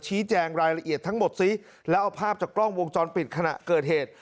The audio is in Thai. แจงรายละเอียดทั้งหมดซิแล้วเอาภาพจากกล้องวงจรปิดขณะเกิดเหตุ